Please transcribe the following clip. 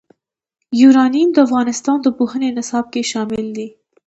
یورانیم د افغانستان د پوهنې نصاب کې شامل دي.